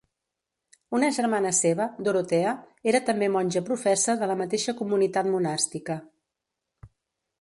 Una germana seva, Dorotea, era també monja professa de la mateixa comunitat monàstica.